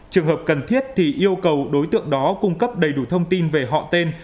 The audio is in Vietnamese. trường hợp cần thiết thì yêu cầu đối tượng đó cung cấp đầy đủ thông tin về họ tên